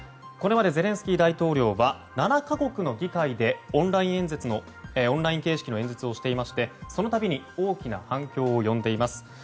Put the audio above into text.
これまでゼレンスキー大統領は７か国の議会でオンライン形式の演説をしていましてそのたびに大きな反響を呼んでいます。